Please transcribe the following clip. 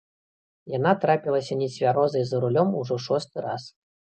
Яна трапілася нецвярозай за рулём ужо ў шосты раз.